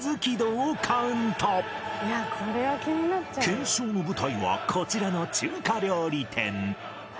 検証の舞台はこちらの中華料理店